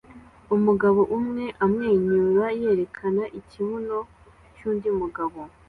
Umugabo umwe amwenyura yerekana ikibuno cy'undi mugabo